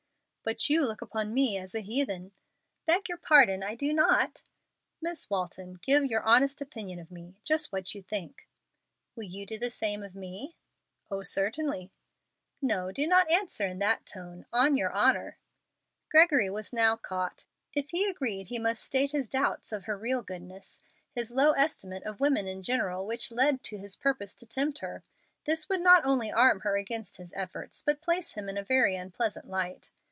"But you look upon me as a 'heathen.'" "Beg your pardon, I do not." "Miss Walton, give your honest opinion of me just what you think." "Will you do the same of me?" "Oh, certainly!" "No, do not answer in that tone. On your honor." Gregory was now caught. If he agreed he must state his doubts of her real goodness; his low estimate of women in general which led to his purpose to tempt her. This would not only arm her against his efforts, but place him in a very unpleasant light.